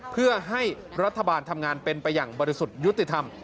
เพื่อให้รัฐบาลทำงานเป็นไปอย่างบริสุทธิ์ยุติธรรม